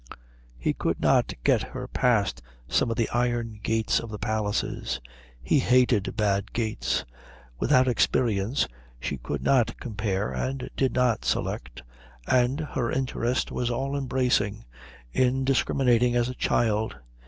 He could not get her past some of the iron gates of the palaces. He hated bad gates. Without experience she could not compare and did not select, and her interest was all embracing, indiscriminating as a child's.